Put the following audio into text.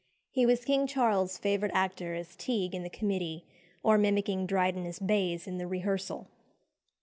He was King Charles's favourite actor as Teague in "The Committee," or mimicking Dryden as Bayes in "The Rehearsal."